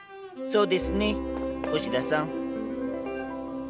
そうですね星田さん。